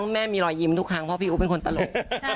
แม่มีรอยยิ้มทุกครั้งเพราะพี่อุ๊บเป็นคนตลก